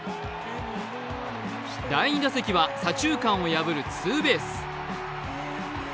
第２打席は左中間を破るツーベース。